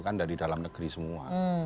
kan dari dalam negeri semua